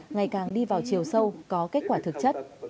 ngày càng đi vào chiều sâu có kết quả thực chất